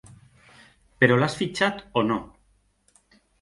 Però l'has fitxat o no?